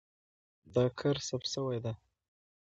دا کار ثبت شوی دی.